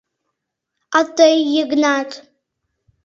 — А тый, Йыгнат?